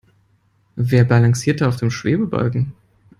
Wer balanciert da auf dem Schwebebalken?